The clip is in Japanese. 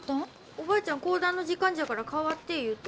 おばあちゃん講談の時間じゃから代わって言うて。